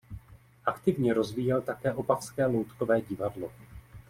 Aktivně rozvíjel také opavské loutkové divadlo.